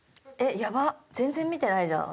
全然見てないじゃん